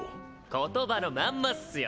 言葉のまんまっスよ。